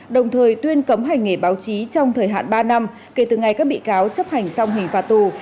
đồng thời tuyên cấm hành nghề báo chí trong thời hạn ba năm kể từ ngày các bị cáo chấp hành xong hình phạt tù